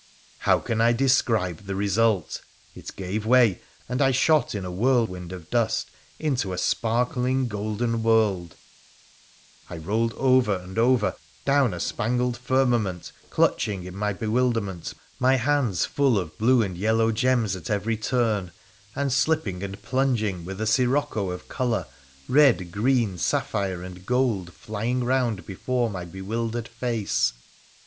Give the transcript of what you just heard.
How can I describe the result ! It gave way, and I shot in a whirlwind of dust into a sparkling golden world 1 I rolled over and over down a spangled firmament, clutching in my bewilderment my hands full of blue and yellow gems at every turn, and slipping and plunging with a sirocco of colour, red, green, sapphire, and gold flying round before my be wildered face.